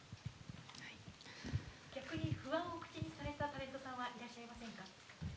逆に不安を口にされたタレントさんはいらっしゃいませんか？